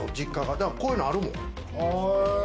だからこういうの、あるもん。